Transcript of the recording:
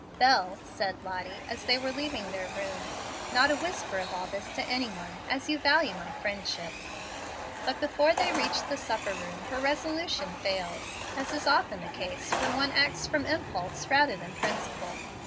"Bel," said Lottie, as they were leaving their room, "not a whisper of all this to any one, as you value my friendship." But before they reached the supper room her resolution failed, as is often the case when one acts from impulse rather than principle.